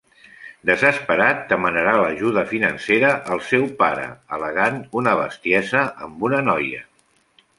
Desesperat, demanarà l'ajuda financera al seu pare, al·legant una bestiesa amb una noia.